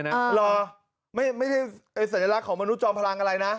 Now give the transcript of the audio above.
หรอไม่ใช่สัญลักษณ์ของมนุษย์จอมพลังอะไรนะ